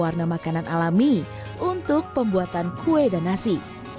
warna makanan alami untuk pembuatan kue dan nasi